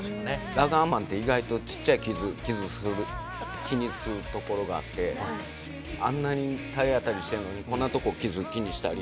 ラガーマンって意外とちっちゃい傷気にするところがあってあんなに体当たりしているのにこんなとこ傷気にしたり。